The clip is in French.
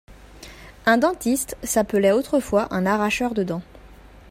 Un dentiste s’appelait autrefois un arracheur de dent.